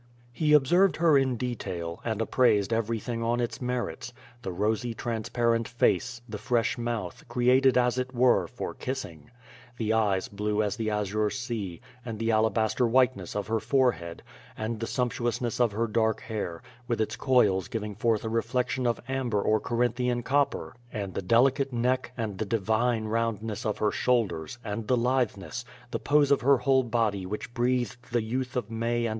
He observed her in detail, and appraised everything on its merits; the rosy transparent face, the fresh mouth, created as it were, for kissing, the eyes blue as the azure sea, and the alabaster whiteness of her forehead, and the sumptuousness of her dark hair, with its coils giving forth a reflection of amber or Corinthian copper, and the delicate neck, and the "divine" roundness of her shoulders, and the lithenesa, the pose of her whole body which breathed the youth of May and QUO VADI8.